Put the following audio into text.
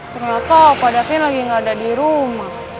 ternyata opa davin lagi gak ada dirumah